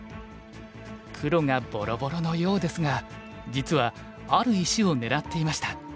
黒がボロボロのようですが実はある石を狙っていました。